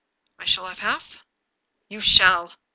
" "I shall have half?" "You shall!"